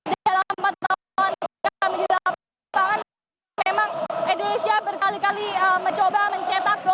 dalam empat tahun yang menjelang memang indonesia berkali kali mencoba mencetak gol